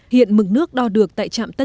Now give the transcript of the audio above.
hiện mực nước đo được tại trạm tân trọng